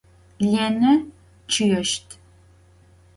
Lêne ççıêşt.